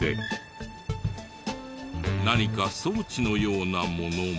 何か装置のようなものも。